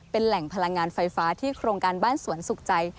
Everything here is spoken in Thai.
เป็นแหล่งพลังงานไฟฟ้าที่โครงการบ้านสวนสุขใจ